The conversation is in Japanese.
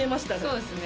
そうですね。